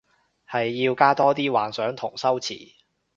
係要加多啲幻想同修辭